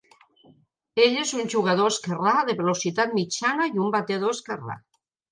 Ell és un jugador esquerrà de velocitat mitjana i un batedor esquerrà.